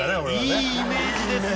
いいイメージで。